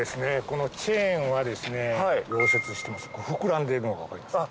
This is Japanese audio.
このチェーンはですね溶接してます膨らんでいるのが分かりますか？